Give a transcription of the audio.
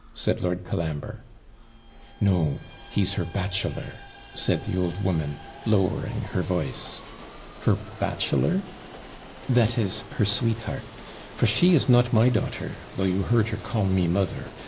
said Lord Colambre. 'No; he's her bachelor,' said the old woman, lowering her voice. 'Her bachelor?' 'That is, her sweetheart: for she is not my daughter, though you heard her call me mother.